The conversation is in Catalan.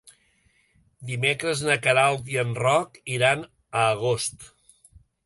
Dimecres na Queralt i en Roc iran a Agost.